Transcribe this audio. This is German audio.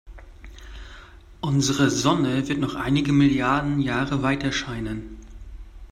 Unsere Sonne wird noch einige Milliarden Jahre weiterscheinen.